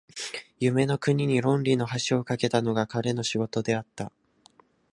夢の国に論理の橋を架けたのが彼の仕事であった。